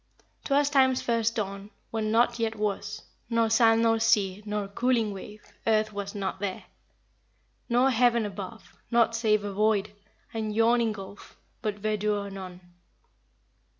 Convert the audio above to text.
"'Twas time's first dawn, When nought yet was, Nor sand nor sea, Nor cooling wave; Earth was not there, Nor heaven above. Nought save a void And yawning gulf. But verdure none.'"